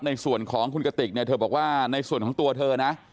ในส่วนของคุณกติกเนี่ยเธอบอกว่าในส่วนของตัวเธอนะ